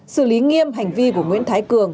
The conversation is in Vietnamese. xử lý nghiêm hành vi của nguyễn thái cường